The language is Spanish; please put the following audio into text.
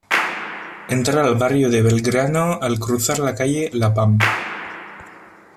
Entra al barrio de Belgrano al cruzar la calle "La Pampa".